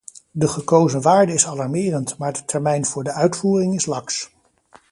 De gekozen waarde is alarmerend, maar de termijn voor de uitvoering is laks.